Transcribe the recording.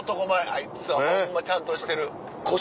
あいつはホンマちゃんとしてる。